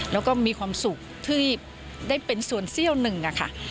แล้วก็มีความสุขที่ได้เป็นส่วนเซี่ยวหนึ่งอะค่ะ